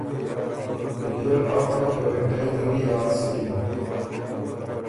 بيې ل ا خوئ ګوېټئ دُوی یاد سُکِن